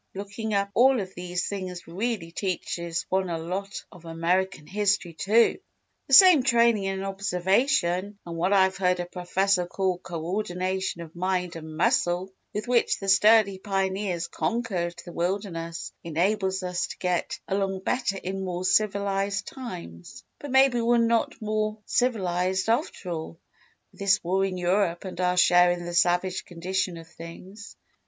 Looking up all of these things really teaches one a lot of American history, too. "The same training and observation, and what I've heard a professor call 'Co ordination of mind and muscle' with which the sturdy pioneers conquered the wilderness enables us to get along better in more civilised times but maybe we're not more civilised after all, with this war in Europe and our share in the savage condition of things.